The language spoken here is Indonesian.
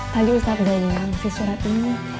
tadi ustaz zainal ngasih surat ini